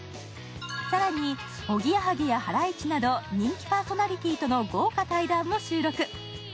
更に、おぎやはぎやハライチなど人気パーソナリティーとの豪華対談も収録。